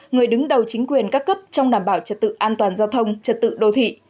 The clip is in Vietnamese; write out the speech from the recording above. người đứng đầu chính quyền các cấp trong đảm bảo trật tự an toàn giao thông trật tự đô thị